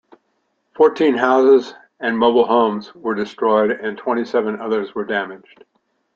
Fourteen houses and mobile homes were destroyed, and twenty-seven others were damaged.